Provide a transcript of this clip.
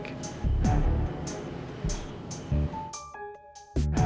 masuk ke sini